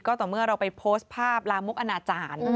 ต่อเมื่อเราไปโพสต์ภาพลามกอนาจารย์